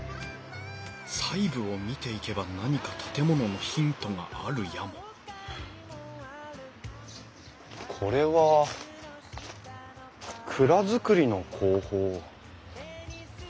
細部を見ていけば何か建物のヒントがあるやもこれは蔵造りの工法。